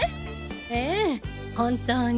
ええ本当に。